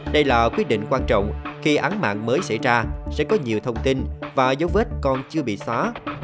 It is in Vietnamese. đây là quyết định quan trọng khi án mạng mới xảy ra sẽ có nhiều thông tin và dấu vết còn chưa bị xóa